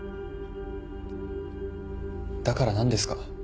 だから何ですか？